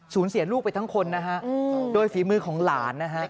เสียลูกไปทั้งคนนะฮะโดยฝีมือของหลานนะฮะ